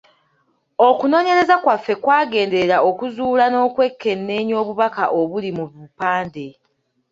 Okunoonyereza kwaffe kwagenderera okuzuula n’okwekenneenya obubaka obuli mu bupande.